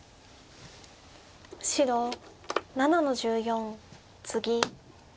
白７の十四ツギ。